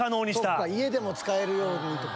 そっか家でも使えるようにとか。